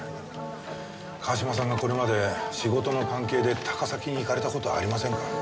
川島さんがこれまで仕事の関係で高崎に行かれた事はありませんか？